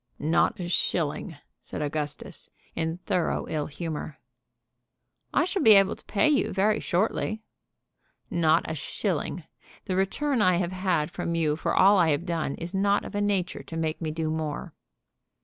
"Not a shilling," said Augustus, in thorough ill humor. "I shall be able to pay you very shortly." "Not a shilling. The return I have had from you for all that I have done is not of a nature to make me do more."